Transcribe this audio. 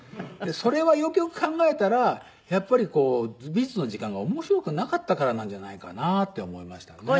それはよくよく考えたらやっぱりこう美術の時間が面白くなかったからなんじゃないかなって思いましたね。